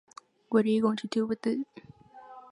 What are you going to do with it?